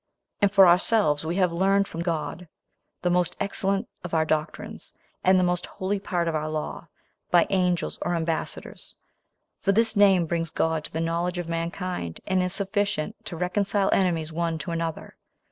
9 And for ourselves, we have learned from God the most excellent of our doctrines, and the most holy part of our law, by angels or ambassadors; for this name brings God to the knowledge of mankind, and is sufficient to reconcile enemies one to another.